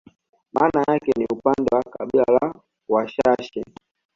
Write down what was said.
Maana yake ni upande wa kabila la Washashi